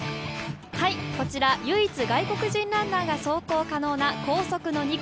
こちら唯一外国人ランナーが走行可能な高速の２区。